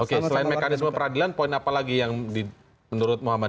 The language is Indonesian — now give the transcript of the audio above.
oke selain mekanisme peradilan poin apa lagi yang menurut muhammad